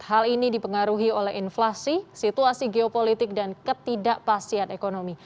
hal ini dipengaruhi oleh inflasi situasi geopolitik dan ketidakpastian ekonomi